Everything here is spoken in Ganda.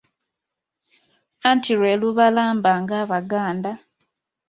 Anti lwe lubalamba ng'Abaganda.